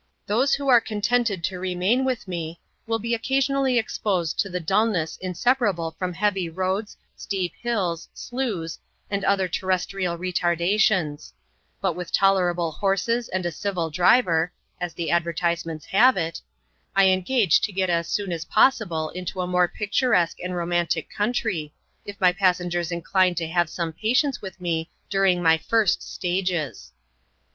Those who are contented to remain with me will be occasionally exposed to the dulness inseparable from heavy roads, steep hills, sloughs, and other terrestrial retardations; but with tolerable horses and a civil driver (as the advertisements have it), I engage to get as soon as possible into a more picturesque and romantic country, if my passengers incline to have some patience with me during my first stages.